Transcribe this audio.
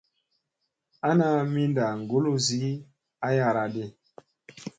Ana minda kuluzi ayara ɗi.